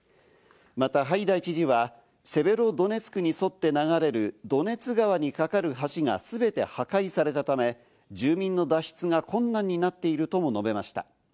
またハイダイ知事はセベロドネツクに沿って流れるドネツ川に架かる橋がすべて破壊されたため、住民の脱出が困難になっているとも述べました。